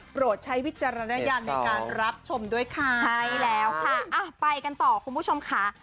ใช้วิจารณญาณในการรับชมด้วยค่ะใช่แล้วค่ะอ่ะไปกันต่อคุณผู้ชมค่ะ